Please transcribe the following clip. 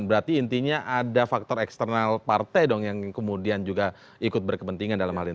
berarti intinya ada faktor eksternal partai dong yang kemudian juga ikut berkepentingan